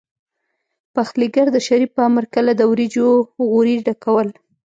پخليګر د شريف په امر کله د وريجو غوري ډکول.